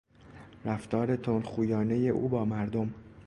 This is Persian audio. رفتار تندخویانهی او با مردم